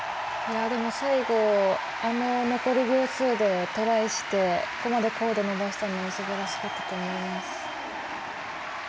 最後、あそこをトライしてここまで高度を伸ばしたのはすばらしかったと思います。